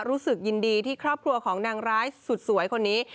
รู้สึกยินดีที่ครอบครัวของนางร้ายสุดสวยคนนี้